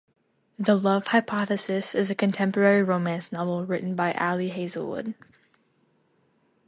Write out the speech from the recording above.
"The Love Hypothesis" is a contemporary romance novel written by Ali Hazelwood.